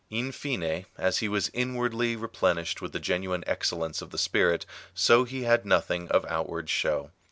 In fine, as he was inwardly replenished with the genuine ex cellence of the Spirit, so he had nothing of outward show.